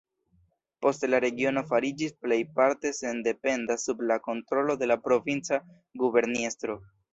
Poste la regiono fariĝis plejparte sendependa sub la kontrolo de la provinca guberniestro.